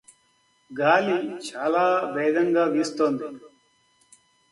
గాలి చాలా వేగంగా వీస్తోంది.